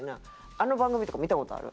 あの番組とか見た事ある？